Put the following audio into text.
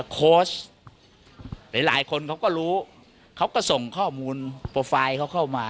โค้ชหลายหลายคนเขาก็รู้เขาก็ส่งข้อมูลโปรไฟล์เขาเข้ามา